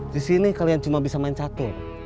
di sini kalian cuma bisa main catur